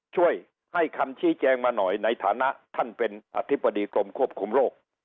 ช่วยให้คำชี้แจงมาหน่อยในฐานะท่านเป็นอธิบดีกรมควบคุมโรค